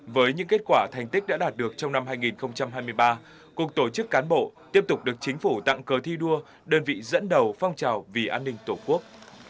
với những kết quả thành tích đã đạt được trong năm hai nghìn hai mươi ba cục tổ chức cán bộ tiếp tục được chính phủ tặng cờ thi đua đơn vị dẫn đầu phong trào vì an ninh tổ quốc